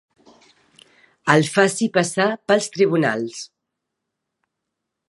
El faci passar pels tribunals.